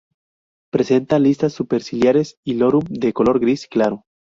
Presenta listas superciliares y lorum de color gris claro.